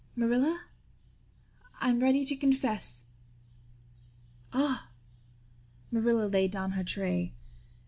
"Marilla, I'm ready to confess." "Ah!" Marilla laid down her tray.